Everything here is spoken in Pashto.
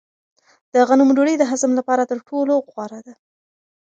د غنمو ډوډۍ د هضم لپاره تر ټولو غوره ده.